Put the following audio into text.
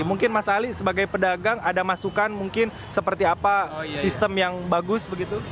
mungkin mas ali sebagai pedagang ada masukan mungkin seperti apa sistem yang bagus begitu